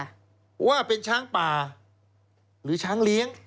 ว่าเป็นช้างป่าหรือช้างเลี้ยง